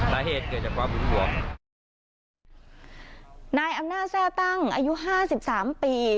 สาเหตุเกิดจากความหึงห่วงนายอำนาจแทร่ตั้งอายุห้าสิบสามปี